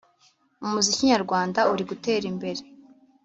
Umuziki nyarwanda uri gutera imbere